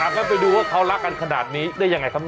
งั้นไปดูว่าเขารักกันขนาดนี้ได้ยังไงครับ